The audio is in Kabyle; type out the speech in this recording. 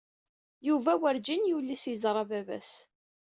Yuba werǧin yulis yeẓra baba-s.